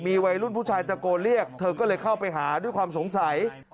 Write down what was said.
วัยรุ่นผู้ชายตะโกนเรียกเธอก็เลยเข้าไปหาด้วยความสงสัย